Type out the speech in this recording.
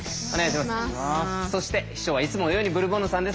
そして秘書はいつものようにブルボンヌさんです。